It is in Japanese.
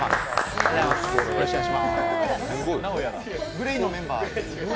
ＧＬＡＹのメンバー。